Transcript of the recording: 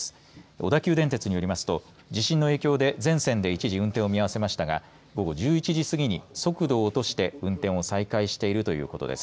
小田急電鉄によりますと地震の影響で全線で一時運転を見合わせましたが午後１１時過ぎに速度を落として運転を再開しているということです。